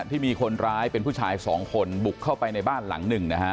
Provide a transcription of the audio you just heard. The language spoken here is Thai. ที่มีคนร้ายเป็นผู้ชายสองคนบุกเข้าไปในบ้านหลังหนึ่งนะฮะ